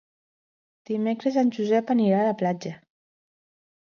Dimecres en Josep anirà a la platja.